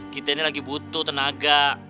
kita ini lagi butuh tenaga